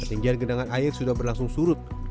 ketinggian genangan air sudah berlangsung surut